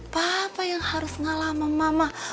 papa yang harus ngalah sama mama